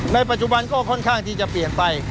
ในปัจจุบันก็ค่อนข้างที่จะเปลี่ยนไป